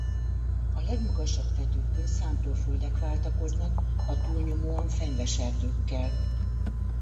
A legmagasabb tetőkön szántóföldek váltakoznak a túlnyomóan fenyves erdőkkel.